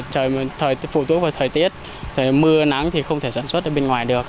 trời phụ thuộc vào thời tiết mưa nắng thì không thể sản xuất ở bên ngoài được